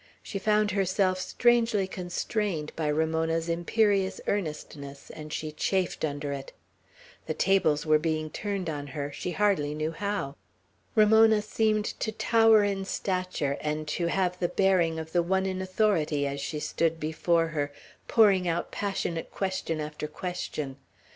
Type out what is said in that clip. She found herself strangely constrained by Ramona's imperious earnestness, and she chafed under it. The tables were being turned on her, she hardly knew how. Ramona seemed to tower in stature, and to have the bearing of the one in authority, as she stood before her pouring out passionate question after question.